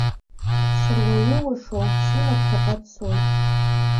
Сыруалыуашо, сима ԥхьаҟа дцоит.